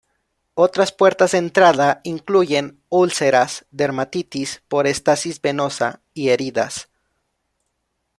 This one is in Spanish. Otras puertas de entrada incluyen úlceras, dermatitis por estasis venosa y heridas.